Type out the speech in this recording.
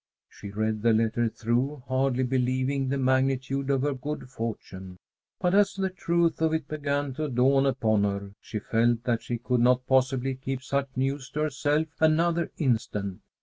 She read the letter through, hardly believing the magnitude of her good fortune. But, as the truth of it began to dawn upon her, she felt that she could not possibly keep such news to herself another instant.